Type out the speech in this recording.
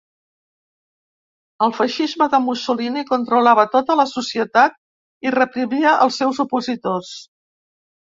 El feixisme de Mussolini controlava tota la societat i reprimia els seus opositors.